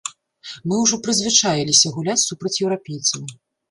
Мы ўжо прызвычаіліся гуляць супраць еўрапейцаў.